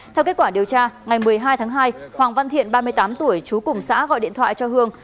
theo kết quả điều tra ngày một mươi hai tháng hai hoàng văn thiện ba mươi tám tuổi trú cùng xã gọi điện thoại cho hương